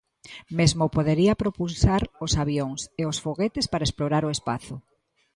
Mesmo podería propulsar os avións; e os foguetes para explorar o espazo.